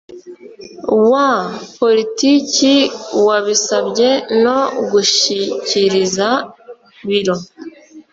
wa politiki wabisabye no gushyikiriza biro